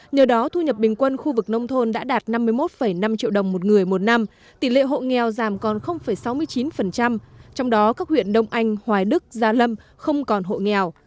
nhờ đó thu nhập bình quân khu vực nông thôn đã đạt năm mươi một năm triệu đồng một người một năm tỷ lệ hộ nghèo giảm còn sáu mươi chín trong đó các huyện đông anh hoài đức gia lâm không còn hộ nghèo